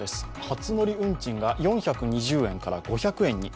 初乗り運賃が４２０円から５００円に。